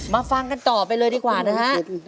ฟังกันต่อไปเลยดีกว่านะฮะ